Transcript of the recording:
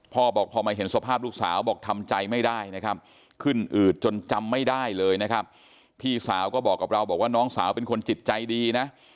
พ่อบอกพอมาเห็นสภาพลูกสาวบอกทำใจไม่ได้นะครับขึ้นอืดจนจำไม่ได้เลยนะครับพี่สาวก็บอกกับเราบอกว่าน้องสาวเป็นคนจิตใจดีนะ